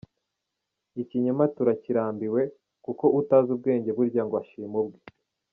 Ikinyoma turakirambiwe, kuko utazi ubwenge burya ngo ashima ubwe.